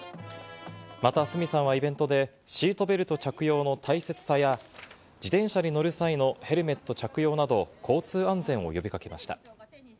また鷲見さんはイベントで、シートベルト着用の大切さや、自転車に乗る際のヘルメット着用など、交通安全を呼びかけました。